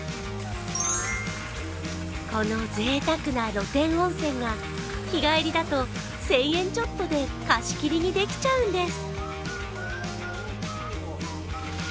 このぜいたくな露天温泉は日帰りだと１０００円ちょっとで貸し切りにできちゃうんです。